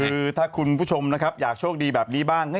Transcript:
คือถ้าคุณผู้ชมนะครับอยากโชคดีแบบนี้บ้าง